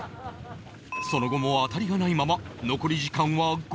その後も当たりがないまま残り時間は５分に